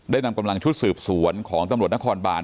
นำกำลังชุดสืบสวนของตำรวจนครบาน